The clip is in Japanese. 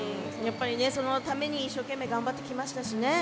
そのために一生懸命頑張ってきましたしね。